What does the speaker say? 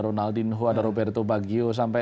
ronaldinho ada roberto bagio sampai